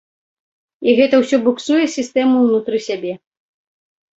І гэта ўсё буксуе сістэму ўнутры сябе.